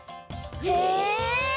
へえ！